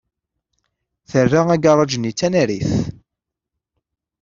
Terra agaṛaj-nni d tanarit.